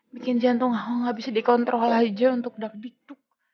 bikin jantung aku gak bisa dikontrol aja untuk dakdikduk